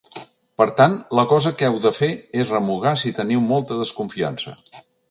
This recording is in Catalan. Per tant, la cosa que heu de fer és remugar si teniu molta desconfiança.